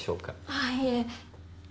ああいえ。